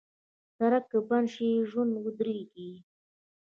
سړک که بند شي، ژوند ودریږي.